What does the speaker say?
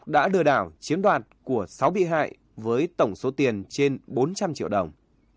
đã lừa đảo chiếm đoạt của sáu bị hại với tổng số tiền trên bốn trăm linh triệu đồng